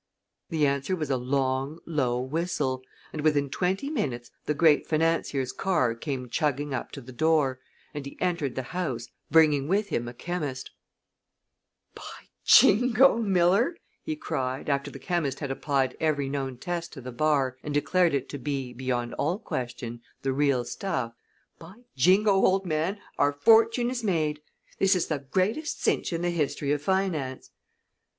The answer was a long, low whistle, and within twenty minutes the great financier's car came chugging up to the door, and he entered the house, bringing with him a chemist. [Illustration: "THIS IS THE GREATEST CINCH IN THE HISTORY OF FINANCE"] "By Jingo! Miller," he cried, after the chemist had applied every known test to the bar and declared it to be, beyond all question, the real stuff, "by Jingo, old man, our fortune is made. This is the greatest cinch in the history of finance."